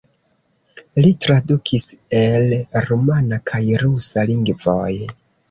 Li tradukis el rumana kaj rusa lingvoj.